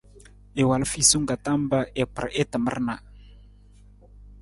I wal fiisung ka tam pa i kpar i tamar na.